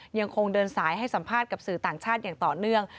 ยังคงเดินสายให้สัมภาษณ์กับสื่อต่างชาติอย่างต่อเนื่อง